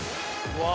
うわ！